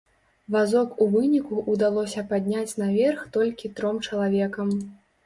Вазок у выніку ўдалося падняць наверх толькі тром чалавекам.